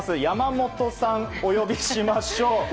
山本さんをお呼びしましょう。